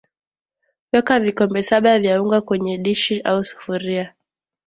Weka vikombe saba vya unga kwenye dishi au sufuria